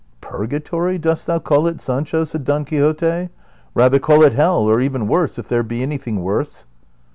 " Purgatory dost thou call it, Sancho ?" said Don Quixote, "rather call it hell, or even worse if there be anything worse."